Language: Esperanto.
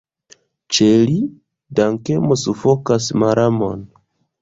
Ĉe li dankemo sufokas malamon.